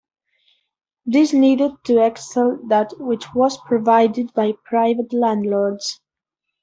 This needed to excel that which was provided by private landlords.